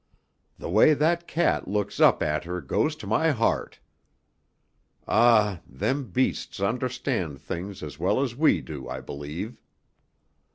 The way that cat looks up at her goes to my heart. Ah! them beasts understand things as well as we do, I believe."